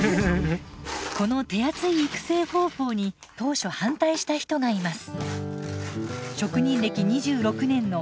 この手厚い育成方法に当初反対した人がいます。